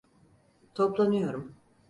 Toplanıyorum.